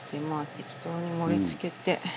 適当に盛り付けて。